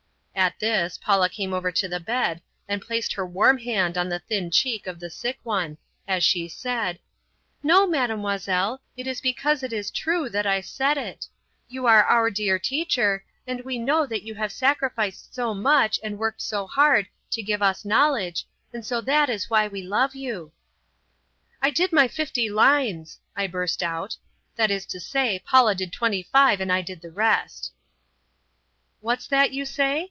At this, Paula came over to the bed and placed her warm hand on the thin cheek of the sick one, as she said, "No, Mademoiselle; it is because it is true, that I said it You are our dear teacher, and we know that you have sacrificed so much and worked so hard to give us knowledge, and so that is why we love you." "I did my fifty lines!" I burst out, "that is to say, Paula did twenty five, and I did the rest." "What's that you say?"